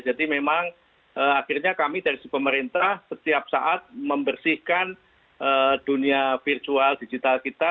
jadi memang akhirnya kami dari pemerintah setiap saat membersihkan dunia virtual digital kita